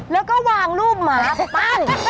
แล้วก็วางรูปหมาไปปั้น